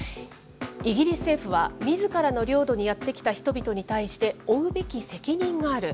イギリス政府はみずからの領土にやって来た人々に対して負うべき責任がある。